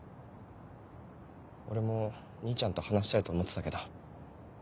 俺も兄ちゃんと話したいと思ってたけど。